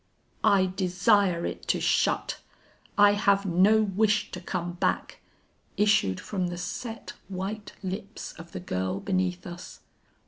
"'I desire it to shut; I have no wish to come back!' issued from the set white lips of the girl beneath us.